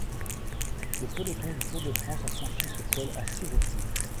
Le peloton du Tour de France a franchi ce col à six reprises.